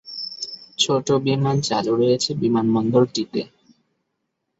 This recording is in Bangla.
ছোট বিমান চালু রয়েছে বিমানবন্দরটিতে।